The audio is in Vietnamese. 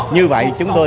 như vậy chúng tôi